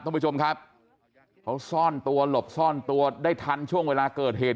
ท่านผู้ชมครับเขาซ่อนตัวหลบซ่อนตัวได้ทันช่วงเวลาเกิดเหตุ